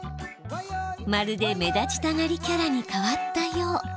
まるで目立ちたがりキャラに変わったよう。